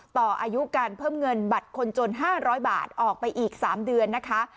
ต่ออายุการเพิ่มเงินบัตรคนจน๕๐๐บาทออกไปอีก๓เดือนนะคะ